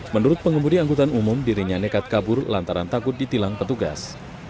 menurut pengemudi angkutan umum dirinya nekat kabur lantaran takut ditilang petugas